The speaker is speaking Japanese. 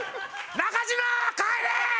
中島帰れー！！